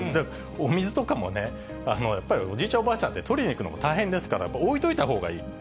お水とかもね、やっぱりおじいちゃん、おばあちゃんって取りに行くのも大変ですから、置いといたほうがいい。